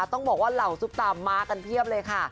ต้องบอกว่าเหล่าซุปตามากันเพียบเลยค่ะ